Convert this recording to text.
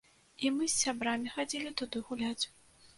І мы з сябрамі хадзілі туды гуляць.